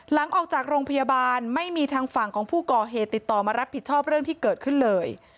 หลังออกจากโรงพยาบาลไม่มีทางฝั่งของผู้ก่อเหตุติดต่อมารับผิดชอบเรื่องที่เกิดขึ้นเลย